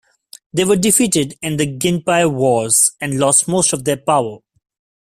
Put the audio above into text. They were defeated in the Genpei Wars, and lost most of their power.